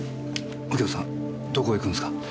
右京さんどこへ行くんですか？